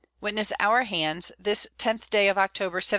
Witness our Hands, this 10th Day of_ October, 1709.